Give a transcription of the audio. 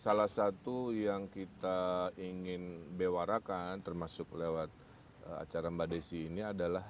salah satu yang kita ingin bewarakan termasuk lewat acara mbak desi ini adalah